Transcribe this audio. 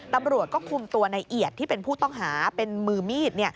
ตำรวจก็คุมตัวในเอียดที่เป็นผู้ต้องหาเป็นมือมีด